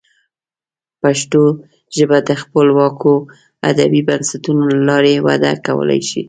پښتو ژبه د خپلواکو ادبي بنسټونو له لارې وده کولی شي.